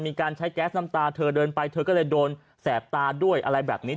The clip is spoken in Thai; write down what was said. มีการใช้แก๊สน้ำตาเธอเดินไปเธอก็เลยโดนแสบตาด้วยอะไรแบบนี้